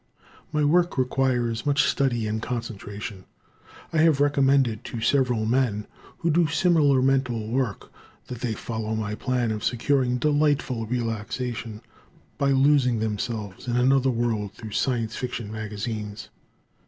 My work requires much study and concentration. I have recommended to several men who do similar mental work that they follow my plan of securing delightful relaxation by losing themselves in another world through Science Fiction magazines.